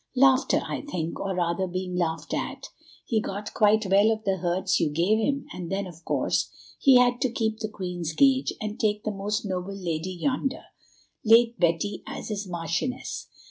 "Laughter, I think, or, rather, being laughed at. He got quite well of the hurts you gave him, and then, of course, he had to keep the queen's gage, and take the most noble lady yonder, late Betty, as his marchioness.